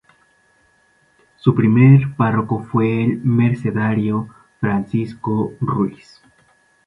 Su primer párroco fue el mercedario Francisco Ruiz.